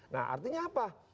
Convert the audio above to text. nah artinya apa